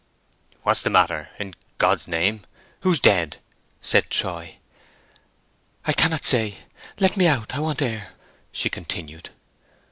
"What's the matter, in God's name? who's dead?" said Troy. "I cannot say; let me go out. I want air!" she continued.